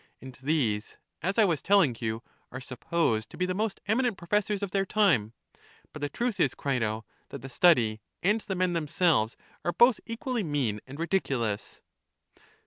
And these, as I was telling you, are supposed to be the most eminent professors of their time. But the truth is, Crito, that the study and the men themselves are both equally mean and ridiculous."